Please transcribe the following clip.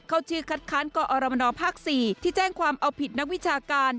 เข้าชื่อคัดค้านกอรมนภ๔ที่แจ้งความเอาผิดนักวิชาการ